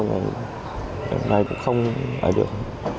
ngày cũng không ở được